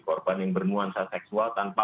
korban yang bernuansa seksual tanpa